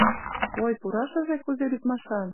Ой, пурашыже кузе лӱдмашан...